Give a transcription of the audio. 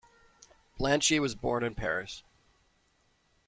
Blanche was born in Paris.